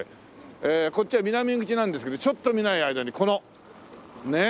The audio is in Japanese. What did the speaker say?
こっちは南口なんですけどちょっと見ない間にこのねえ